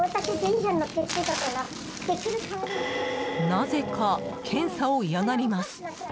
なぜか、検査を嫌がります。